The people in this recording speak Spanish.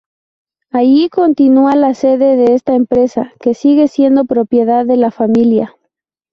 Allí continua la sede de esta empresa, que sigue siendo propiedad de la familia.